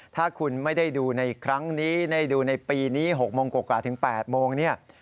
ถ้าคุณไม่ได้ดูในครั้งนี้ได้ดูในปีนี้๖โมงกว่าถึง๘โมงเนี่ย